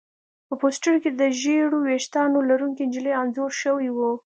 په پوسټر کې د ژېړو ویښتانو لرونکې نجلۍ انځور شوی و